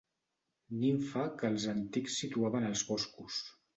Nimfa que els antics situaven als boscos.